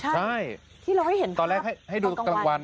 ถ้าเราให้เห็นภาพตอนกลางวัน